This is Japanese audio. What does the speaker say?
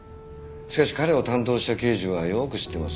しかし彼を担当した刑事はよく知ってます。